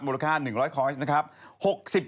มูลค่า๑๐๐คอยซ์นะครับ